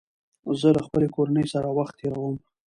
زه له خپلې کورنۍ سره وخت تېروم